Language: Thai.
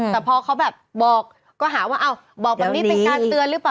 แต่พอเขาแบบบอกก็หาว่าอ้าวบอกแบบนี้เป็นการเตือนหรือเปล่า